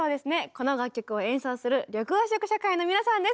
この楽曲を演奏する緑黄色社会の皆さんです。